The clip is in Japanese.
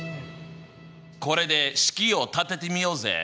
これで式を立ててみようぜ！